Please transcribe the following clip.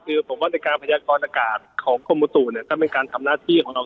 คือผมว่าในการพยากรอากาศของกรมอุตุเนี่ยถ้าเป็นการทำหน้าที่ของเรา